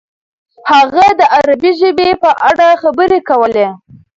هغه د عربي ژبې په اړه خبرې کولې.